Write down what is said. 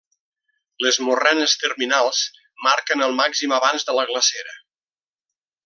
Les morrenes terminals marquen el màxim avanç de la glacera.